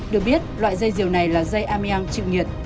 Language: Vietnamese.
được biết loại dây diều này là dây ameang chịu nhiệt